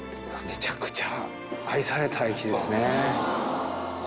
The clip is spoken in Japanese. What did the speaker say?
めちゃくちゃ愛された駅ですね。